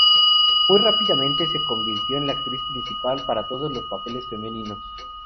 Muy rápidamente se convirtió en la actriz principal para todos los papeles femeninos.